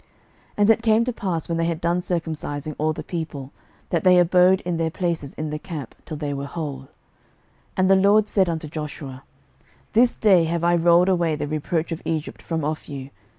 06:005:008 And it came to pass, when they had done circumcising all the people, that they abode in their places in the camp, till they were whole. 06:005:009 And the LORD said unto Joshua, This day have I rolled away the reproach of Egypt from off you.